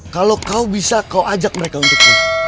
kalau kau bisa kau ajak mereka untukku